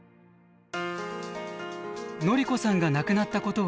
典子さんが亡くなったことを受け